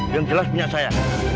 yang jelas punya saya